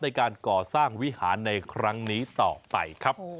ในการก่อสร้างวิหารในครั้งนี้ต่อไปครับ